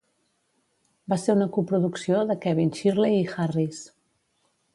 Va ser una coproducció de Kevin Shirley i Harris.